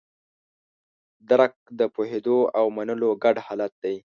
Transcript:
درک د پوهېدو او منلو ګډ حالت دی.